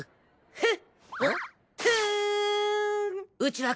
えっ！？